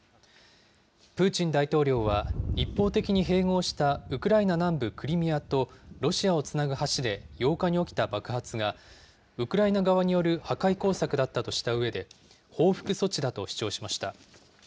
プーチン大統領は一方的に併合したウクライナ南部クリミアとロシアをつなぐ橋で８日に起きた爆発が、ウクライナ側による破壊工作だったとしたうえで、報復措置だと主張しました。